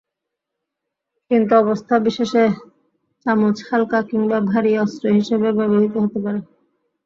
কিন্তু অবস্থা বিশেষে চামচ হালকা কিংবা ভারী অস্ত্র হিসেবে ব্যবহৃত হতে পারে।